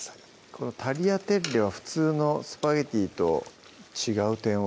このタリアテッレは普通のスパゲッティと違う点は？